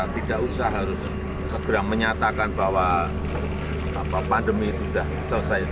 tidak usah harus segera menyatakan bahwa pandemi itu sudah selesai